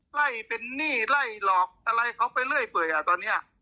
ไล่เป็นหนี้ไล่หลอกอะไรเขาไปเรื่อยเปื่อยตอนนี้